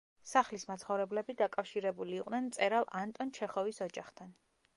სახლის მაცხოვრებლები დაკავშირებული იყვნენ მწერალ ანტონ ჩეხოვის ოჯახთან.